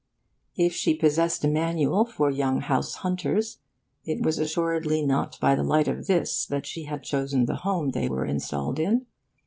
If she possessed a manual for young house hunters it was assuredly not by the light of this that she had chosen the home they were installed in.